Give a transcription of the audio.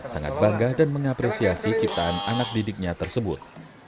sangat bangga dan mengapresiasi ciptaan anak didiknya tersebut